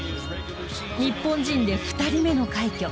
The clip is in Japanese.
日本人で２人目の快挙